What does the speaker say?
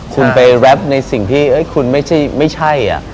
คุณไปแรปในสิ่งที่คุณไม่ใช่